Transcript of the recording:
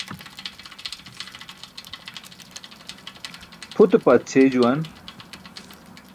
Pʰute paadśey juwan.